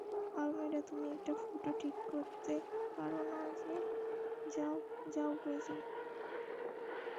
Almeida তুমি একটা ফুটো ঠিক করতে পারো না যাও, যাও উপরে যাও।